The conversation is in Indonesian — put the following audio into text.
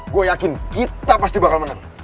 gue yakin kita pasti bakal menang